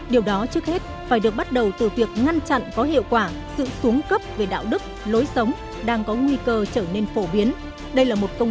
điều đó trước hết phải được bắt đầu từ việc ngăn chặn có hiệu quả sự xuống cấp về đạo đức lối sống đang có nguy cơ trở nên phổ biến